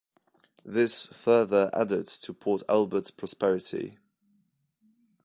This further added to Port Albert's prosperity.